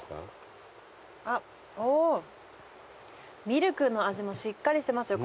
ミルクの味もしっかりしてますよ